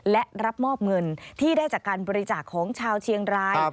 และรับมอบเงินที่ได้จากการบริจาคของชาวเชียงราย